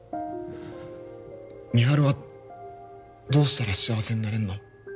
美晴はどうしたら幸せになれるの？